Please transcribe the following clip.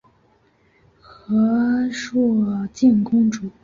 和硕悫靖公主。